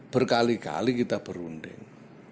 berkali kali kita berunding